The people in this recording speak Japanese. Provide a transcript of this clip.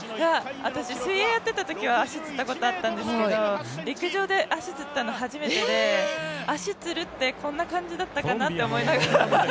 私、水泳やっていたときは足つったことはあったんですけど陸上で足つったの初めてで、足つるって、こんな感じだったかなと思いながら。